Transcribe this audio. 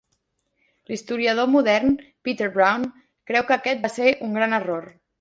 L'historiador modern Peter Brown creu que aquest va ser un gran error.